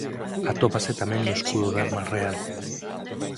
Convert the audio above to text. Atópase tamén no escudo de armas real.